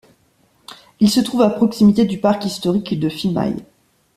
Il se trouve à proximité du Parc historique de Phimai.